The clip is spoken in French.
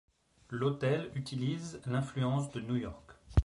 L'hôtel utilise l'influence de New York.